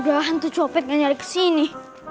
mudah mudahan tuh copet gak nyari kesini